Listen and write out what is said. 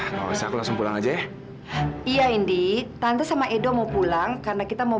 nggak usah langsung pulang aja iya indi tante sama edo mau pulang karena kita mau